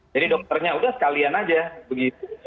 jadi dokternya udah sekalian aja begitu